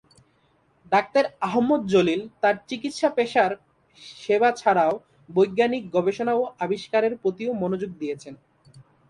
Doctor Ahmad Jamil তার চিকিৎসাপেশায় সেবা ছাড়াও বৈজ্ঞানিক গবেষণা ও আবিষ্কারের প্রতিও মনোযোগ দিয়েছেন।